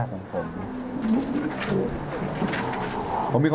พร้อมแล้วเลยค่ะ